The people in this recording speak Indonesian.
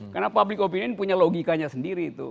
karena public opinion punya logikanya sendiri itu